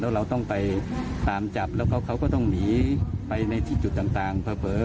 แล้วเราต้องไปตามจับแล้วเขาก็ต้องหนีไปในที่จุดต่างเผลอ